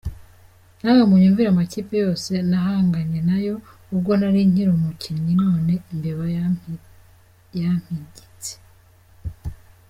"Namwe munyumvire amakipe yose nahanganye nayo ubwo nari nkiri umukinnyi none imbeba yampigitse.